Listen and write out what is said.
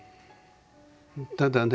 ただね